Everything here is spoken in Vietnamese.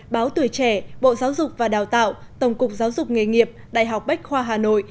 báo tuổi trẻ bộ giáo dục và đào tạo tổng cục giáo dục nghề nghiệp đại học bách khoa hà nội